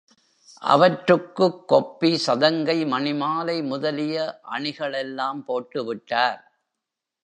அவற்றுக்குக் கொப்பி, சதங்கை, மணிமாலை முதலிய அணிகளெல்லாம் போட்டுவிட்டார்.